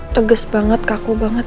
teges banget kaku banget